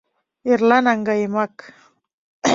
— Эрла наҥгаемак.